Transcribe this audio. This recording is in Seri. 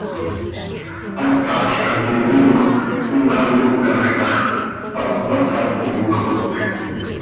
Hácalca quih anxö imxanoocaj tax, pac ma hsaconxot.